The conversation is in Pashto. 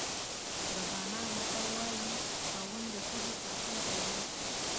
د غانا متل وایي خاوند د ښځې ساتونکی دی.